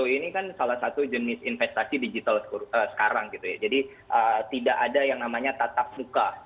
aset kripto ini kan salah satu jenis investasi digital sekarang jadi tidak ada yang namanya tatap buka